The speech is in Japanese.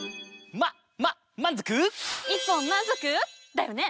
だよね？